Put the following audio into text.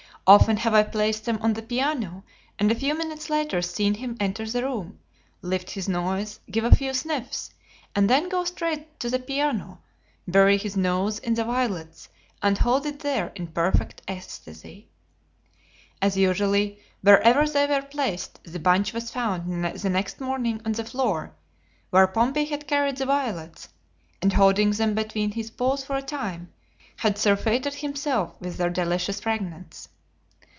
Often have I placed them on the piano, and a few minutes later seen him enter the room, lift his nose, give a few sniffs, and then go straight to the piano, bury his nose in the violets, and hold it there in perfect ecstacy. And usually, wherever they were placed, the bunch was found the next morning on the floor, where Pompey had carried the violets, and holding them between his paws for a time, had surfeited himself with their delicious fragrance.